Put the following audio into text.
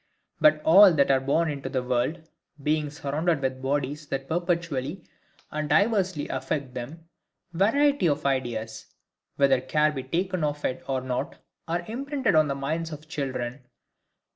But all that are born into the world, being surrounded with bodies that perpetually and diversely affect them, variety of ideas, whether care be taken of it or not, are imprinted on the minds of children.